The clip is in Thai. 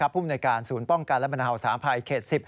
ผู้มนตรายการศูนย์ป้องกันและบรรณาหาวศาลภายเขต๑๐